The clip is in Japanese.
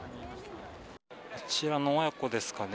こちらの親子ですかね。